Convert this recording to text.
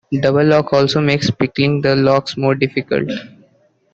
Double locks also make picking the locks more difficult.